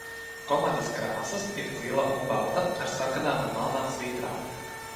Komandas krāsas ir zila un balta ar sarkanām un melnām svītrām.